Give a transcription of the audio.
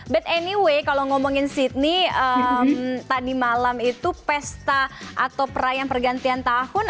but anyway kalau ngomongin sydney tadi malam itu pesta atau perayaan pergantian tahun